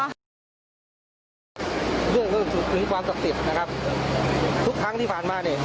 เรื่องเรื่องถึงความสักติดนะครับทุกครั้งที่ผ่านมาเนี้ย